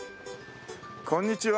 こんにちは。